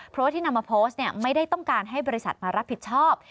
เพราะว่าที่นำมาโพสต์ไม่ได้ต้องการให้บริษัทมารับผิดชอบ